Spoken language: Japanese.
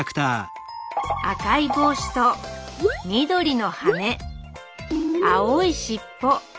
赤い帽子と緑の羽青い尻尾。